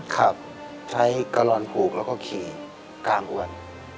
ครับใช้กะลอนผูกแล้วก็ขี่กลางอวน